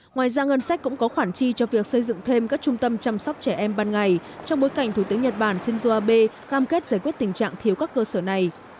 ngoài ra ngân sách cũng có khoản chi cho việc xây dựng thêm các trung tâm chăm sóc trẻ em ban ngày trong bối cảnh thủ tướng nhật bản shinzo abe cam kết giải quyết tình trạng thiếu các cơ sở này